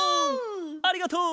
ありがとう！